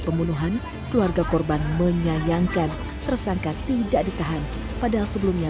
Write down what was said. pembunuhan keluarga korban menyayangkan tersangka tidak ditahan padahal sebelumnya